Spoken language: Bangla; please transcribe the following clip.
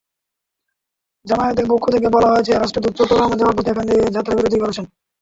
জামায়াতের পক্ষ থেকে বলা হয়েছে, রাষ্ট্রদূত চট্টগ্রাম যাওয়ার পথে এখানে যাত্রাবিরতি করেছেন।